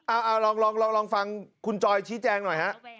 เอาลองฟังคุณจอยชี้แจงหน่อยฮะ